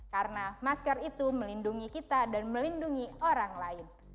karena masker itu melindungi kita dan melindungi orang lain